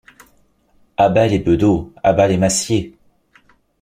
À bas les bedeaux! à bas les massiers !